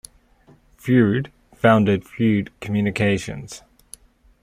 Freud founded Freud Communications.